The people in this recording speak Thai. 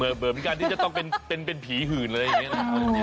เหมือนกันที่จะต้องเป็นผีหื่นอะไรอย่างนี้นะ